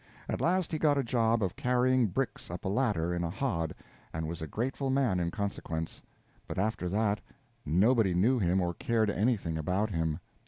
At last he got a job of carrying bricks up a ladder in a hod, and was a grateful man in consequence; but after that _nobody _knew him or cared anything about him.